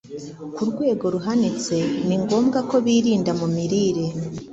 ku rwego ruhanitse. Ni ngombwa ko birinda mu mirire,